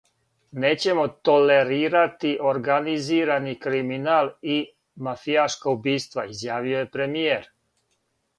"Нећемо толерирати организирани криминал и мафијашка убиства", изјавио је премијер."